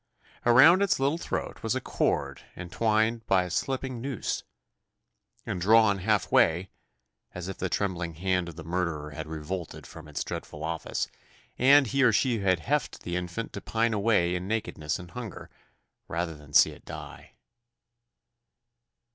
Around its little throat was a cord entwined by a slipping noose, and drawn half way as if the trembling hand of the murderer had revolted from its dreadful office, and he or she had heft the infant to pine away in nakedness and hunger, rather than see it die.